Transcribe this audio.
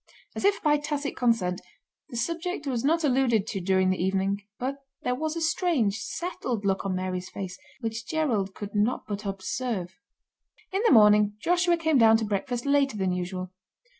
As if by tacit consent the subject was not alluded to during the evening. But there was a strange, settled look on Mary's face, which Gerald could not but observe. In the morning Joshua came down to breakfast later than usual.